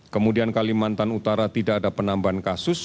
kemudian kalimantan utara tidak ada penambahan kasus